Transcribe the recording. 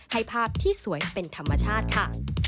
ให้ภาพที่สวยเป็นธรรมชาติค่ะ